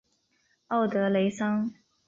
奥德雷桑。